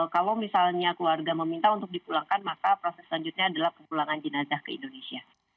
kalau misalnya keluarga meminta untuk dipulangkan maka proses selanjutnya adalah kepulangan jenazah ke indonesia